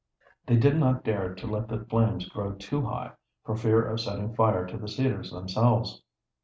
They did not dare to let the flames grow too high for fear of setting fire to the cedars themselves.